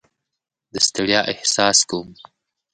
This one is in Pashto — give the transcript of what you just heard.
د ستړیا احساس کوم.